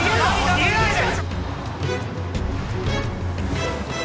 逃げないで！